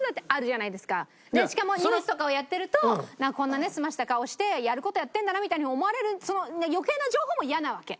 しかもニュースとかをやってるとこんなねすました顔してやる事やってんだなみたいに思われるその余計な情報も嫌なわけ。